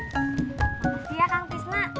terima kasih ya kang pisma